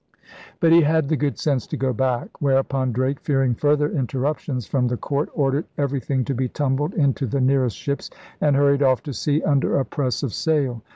But he had the good sense to go back; whereupon Drake, fearing further interruptions from the court, ordered everything to be tumbled into the nearest ships and hurried off to sea under a press of sail.